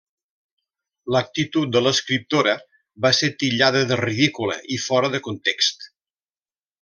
L'actitud de l'escriptora va ser titllada de ridícula i fora de context.